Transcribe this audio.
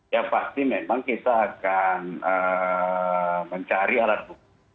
ya pasti memang kita akan mencari alat bukti